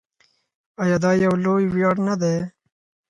آیا دا یو لوی ویاړ نه دی؟